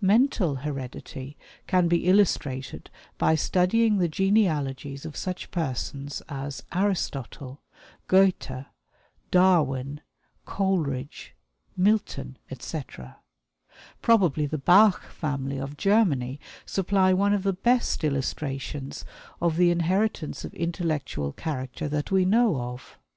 "Mental heredity can be illustrated by studying the genealogies of such persons as Aristotle, Goethe, Darwin, Coleridge, Milton, etc. Probably the Bach family, of Germany, supply one of the best illustrations of the inheritance of intellectual character that we know of.